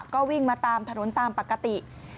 ก็วิ่งมาตามถนนตามปกติ